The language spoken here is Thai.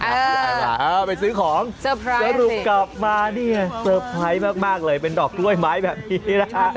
ไปซื้อของสรุปกลับมานี่ไงเตอร์ไพรส์มากเลยเป็นดอกกล้วยไม้แบบนี้นะฮะ